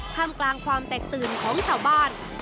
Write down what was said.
ทำกลางความแตกตื่นของชาวบ้าน